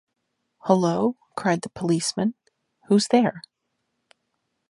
"Hullo," cried the policeman, "who's there?"